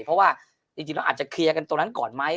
เพราะว่าจริงแล้วอาจจะเคลียร์กันตรงนั้นก่อนไหม